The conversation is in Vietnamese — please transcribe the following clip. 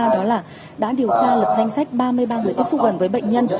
đó là đã điều tra lập danh sách ba mươi ba người tiếp xúc gần với bệnh nhân